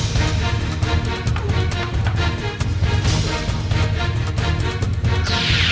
buar buar buar cepat buar